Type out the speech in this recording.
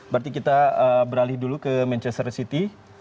berarti kita beralih dulu ke manchester city